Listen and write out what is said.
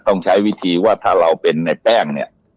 ต้องใช้วิธีว่าถ้าเราเป็นในแป้งเนี่ย